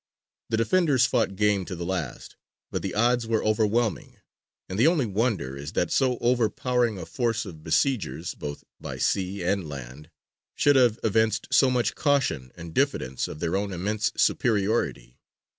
The defenders fought game to the last, but the odds were overwhelming, and the only wonder is that so overpowering a force of besiegers, both by sea and land, should have evinced so much caution and diffidence of their own immense superiority.